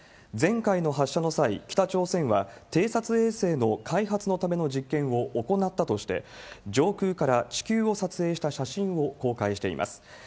前回の発射の際、北朝鮮は、偵察衛星の開発のための実験を行ったとして、上空から地球を撮影した写真を公開しています。